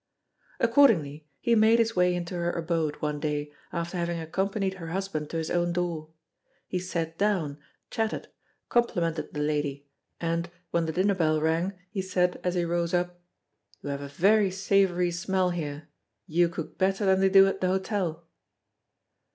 Accordingly, he made his way into her abode, one day, after having accompanied her husband to his own door. He sat down, chatted, complimented the lady, and, when the dinner bell rang, he said, as he rose up: "You have a very savory smell here. You cook better than they do at the hotel."